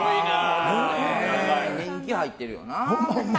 年季入ってるよな。